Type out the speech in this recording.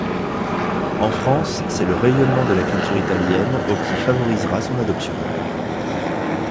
En France, c'est le rayonnement de la culture italienne au qui favorisa son adoption.